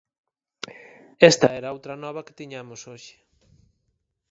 Esta era a outra nova que tiñamos hoxe.